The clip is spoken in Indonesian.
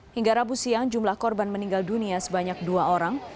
hingga rabu siang jumlah korban meninggal dunia sebanyak dua orang